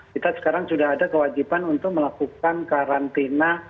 kita sekarang sudah ada kewajiban untuk melakukan karantina